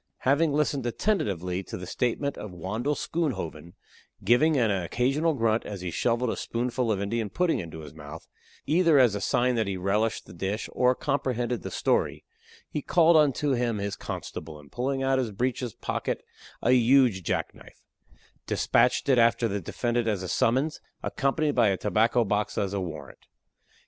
Having listened attentively to the statement of Wandle Schoonhoven, giving an occasional grunt, as he shoveled a spoonful of Indian pudding into his mouth either as a sign that he relished the dish, or comprehended the story he called unto him his constable, and pulling out of his breeches pocket a huge jack knife, despatched it after the defendant as a summons, accompanied by his tobacco box as a warrant.